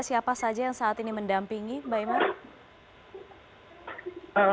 siapa saja yang saat ini mendampingi mbak iman